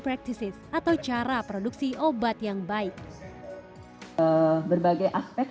bagaimana cara produksi obat yang baik